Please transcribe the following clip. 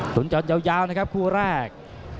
หลุนกันยาวนะครับครูแรก